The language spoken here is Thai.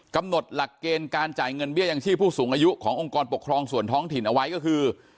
กำหนดหลักเกณฑ์การจ่ายเงินเบี้ยยังชีพผู้สูงอายุขององค์กรปกครองส่วนท้องถิ่นเอาไว้ก็คือ